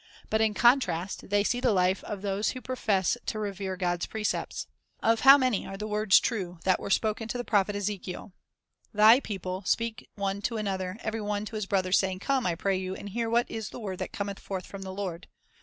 But in contrast they see the life of those who profess to revere God's precepts. Of how many are the words true that were spoken to the prophet Ezekiel: — Thy people "speak one to another, every one to his brother, saying, Come, I pray you, and hear what is the word that cometh forth from the Lord.